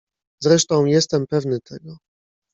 "Zresztą, jestem pewny tego."